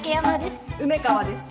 梅川です。